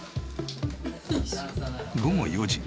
午後４時。